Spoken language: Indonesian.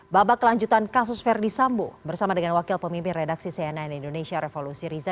babak kelanjutan kasus verdi sambo bersama dengan wakil pemimpin redaksi cnn indonesia revolusi riza